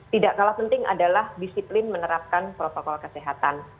tidak kalah penting adalah disiplin menerapkan protokol kesehatan